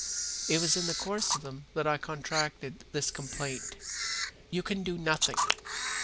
It was in the course of them that I contracted this complaint. You can do nothing."